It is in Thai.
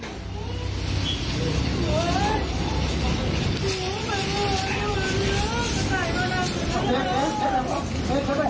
บ๊วยจะขายบ๊วยลาซิดนะนะ